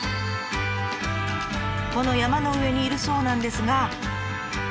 この山の上にいるそうなんですが。